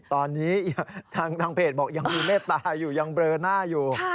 ตอนนี้ทางเพจบอกยังมีเมตตาอยู่ยังเบลอหน้าอยู่